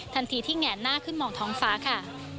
ทันทีที่แง่หน้าขึ้นมองท้องฟ้าค่ะ